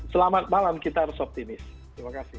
selamat malam kita harus optimis terima kasih